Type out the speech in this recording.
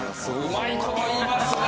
うまい事言いますね！